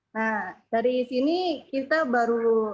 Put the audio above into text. nah dari sini kita baru